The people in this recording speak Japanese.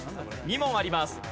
２問あります。